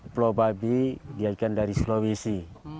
pulau babi diajikan dari sulawesi